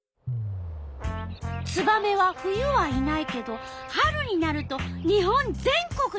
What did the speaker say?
ツバメは冬はいないけど春になると日本全国にすがたをあらわす。